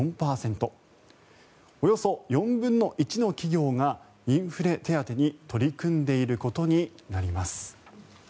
およそ４分の１の企業がインフレ手当に取り組んでいることになります。